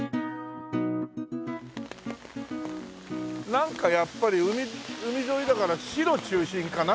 なんかやっぱり海沿いだから白中心かな。